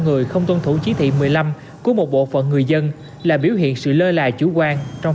người không tuân thủ chỉ thị một mươi năm của một bộ phận người dân là biểu hiện sự lơ là chủ quan trong